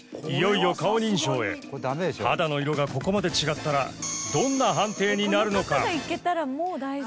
いよいよ顔認証へ肌の色がここまで違ったらどんな判定になるのかああ